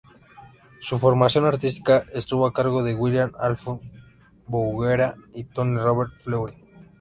Su formación artística estuvo a cargo de William-Adolphe Bouguereau y Tony Robert-Fleury.